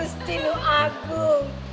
gusti lu agung